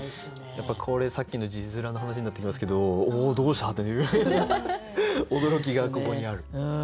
これさっきの字面の話になってきますけどおおどうした？っていう驚きがここにある。